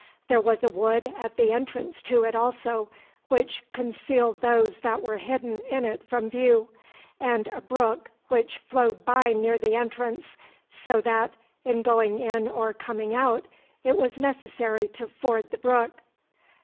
There was a wood at the entrance to it also, which concealed those that were hidden in it from view, and a brook which flowed by near the entrance, so that, in going in or coming out, it was necessary to ford the brook.